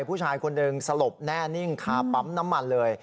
ผู้ชายคนหนึ่งสลบแน่นิ่งคาปั๊มน้ำมันเลย